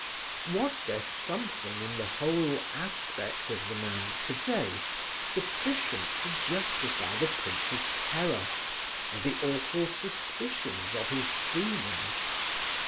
Was there something in the whole aspect of the man, today, sufficient to justify the prince's terror, and the awful suspicions of his demon?